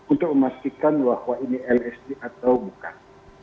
untuk memastikan bahwa ini lsi atau bukan